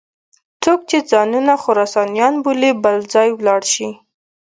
څوک چې ځانونه خراسانیان بولي بل ځای ولاړ شي.